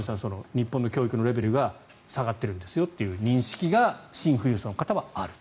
日本の教育のレベルが下がってるんですよという認識がシン富裕層の方はある。